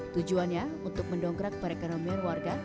tujuannya untuk mendongkrak perekonomian warga